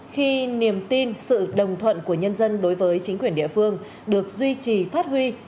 khi niềm tin sự đồng thuận của nhân dân đối với chính quyền địa phương được duy trì phát huy